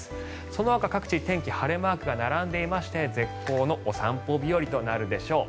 そのほか各地、天気晴れマークが並んでおりまして絶好のお散歩日和となるでしょう。